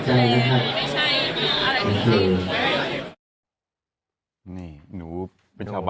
ไม่ได้กลัวโฟนไม่ได้แบบไม่ได้อะไรแล้ว